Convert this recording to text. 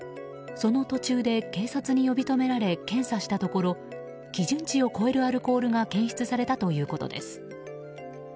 その途中で警察に呼び止められ検査したところ基準値を超えるアルコールが検出されたということです。